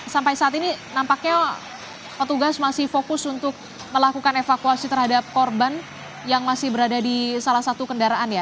sampai saat ini nampaknya petugas masih fokus untuk melakukan evakuasi terhadap korban yang masih berada di salah satu kendaraan ya